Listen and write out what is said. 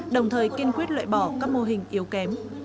đồng thời kiên quyết lợi bỏ các mô hình yếu kém